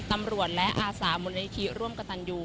ตำรวจและอาสามนิษฐีร่วมกระตังยู